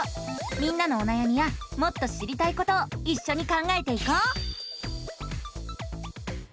みんなのおなやみやもっと知りたいことをいっしょに考えていこう！